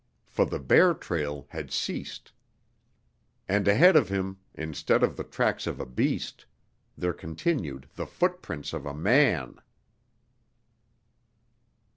For the bear trail had ceased. And ahead of him, instead of the tracks of a beast, there continued the footprints of a man!